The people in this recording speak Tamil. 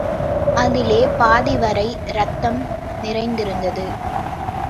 அதிலே பாதிவரை இரத்தம் நிறைந்திருந்தது.